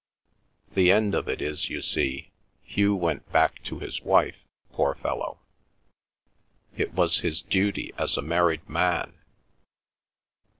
"The end of it is, you see, Hugh went back to his wife, poor fellow. It was his duty, as a married man.